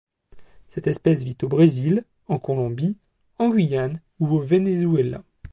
Cette espèce vit au Brésil, en Colombie, en Guyane et au Venezuela.